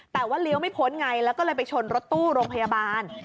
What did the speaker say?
แต่ว่าเลี้ยวไม่พ้นไงแล้วก็เลยไปชนรถตู้โรงพยาบาล